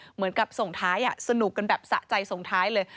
เหมือนกับส่งท้ายสนุกกันแบบสะใจส่งท้ายเลย